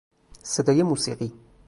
صدای موسیقی